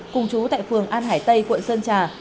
cùng chú tại phường an hải tây quận sơn trà